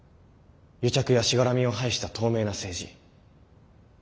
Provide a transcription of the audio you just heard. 癒着やしがらみを排した透明な政治。